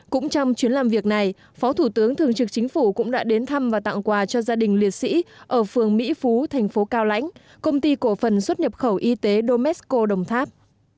cũng trong chuyến làm việc này phó thủ tướng thường trực chính phủ cũng đã đến thăm và tặng quà cho gia đình liệt sĩ ở phường mỹ phú thành phố cao lãnh công ty cổ phần xuất nhập khẩu y tế do mesco đồng tháp